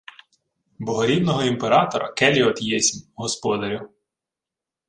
— Богорівного імператора келіот єсмь, господарю.